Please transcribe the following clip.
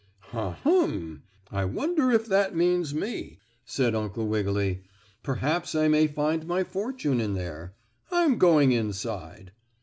"Ha, hum! I wonder if that means me?" said Uncle Wiggily. "Perhaps I may find my fortune in there. I'm going inside."